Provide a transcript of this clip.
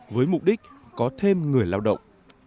với mục đích có thêm người lao động